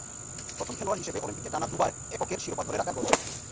প্রথম খেলোয়াড় হিসেবে অলিম্পিকে টানা দুবার এককের শিরোপা ধরে রাখার গর্ব।